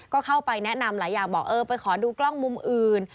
ก็เข้าไปแนะนำหลายอย่างบอกเออไปขอดูกล้องมุมอื่น